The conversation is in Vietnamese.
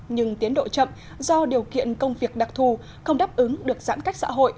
nhưng tiến độ chậm do điều kiện công việc đặc thù không đáp ứng được giãn cách xã hội